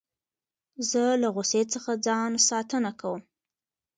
زه له غوسې څخه ځان ساتنه کوم.